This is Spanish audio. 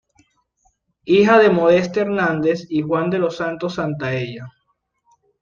Hija de Modesta Hernández y Juan de los Santos Santaella.